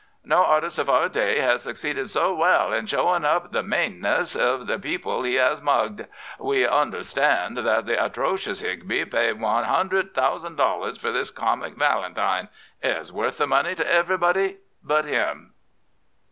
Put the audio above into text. No artist iv our day has succeeded so well in showin' up th' maneness iv th* people he has mugged. We ondershtand that th' atrocious Higbie paid wan hundherd thousan' dollars fr this comic valentine. It is worth th' money to ivrybody but him.